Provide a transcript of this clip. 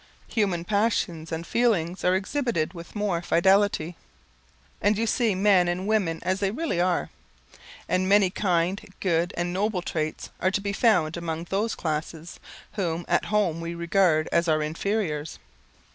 Human passions and feelings are exhibited with more fidelity, and you see men and women as they really are. And many kind, good, and noble traits are to be found among those classes, whom at home we regard as our inferiors.